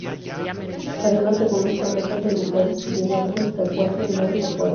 Además, algunos están bastante agrupados, pudiendo haber hasta cuatro en una misma cuadra.